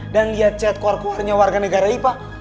dan lihat chat keluar keluarnya warga negara itu